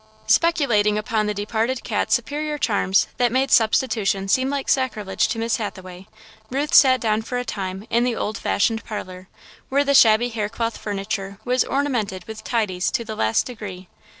Speculating upon the departed cat's superior charms, that made substitution seem like sacrilege to Miss Hathaway, Ruth sat down for a time in the old fashioned parlour, where the shabby haircloth furniture was ornamented with "tidies" to the last degree.